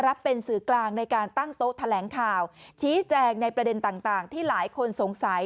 รับเป็นสื่อกลางในการตั้งโต๊ะแถลงข่าวชี้แจงในประเด็นต่างที่หลายคนสงสัย